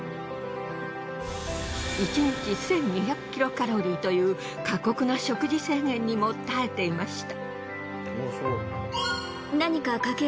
１日１，２００キロカロリーという過酷な食事制限にも耐えていました。